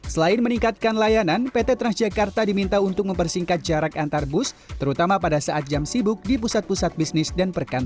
selain meningkatkan layanan pt transjakarta diminta untuk mempersingkat jarak antar bus terutama pada saat jam sibuk di pusat pusat bisnis